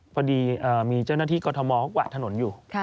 พอดีมีเจ้าหน้าที่กรทมเขากวาดถนนอยู่